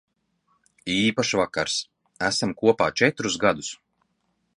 Īpašs vakars. Esam kopā četrus gadus.